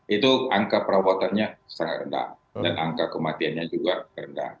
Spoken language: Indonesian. itu angka perawatannya sangat rendah dan angka kematiannya juga rendah